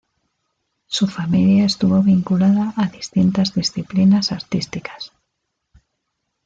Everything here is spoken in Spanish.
Su familia estuvo vinculada a distintas disciplinas artísticas.